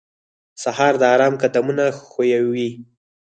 سهار د آرام قدمونه ښووي.